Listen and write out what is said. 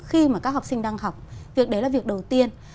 khi mà các học sinh đang học việc đấy là việc đầu tiên